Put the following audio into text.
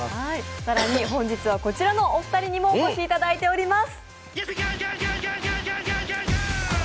更に本日はこちらのお二人にもお越しいただいています！